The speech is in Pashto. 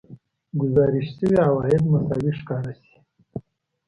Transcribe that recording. ګزارش شوي عواید مساوي ښکاره شي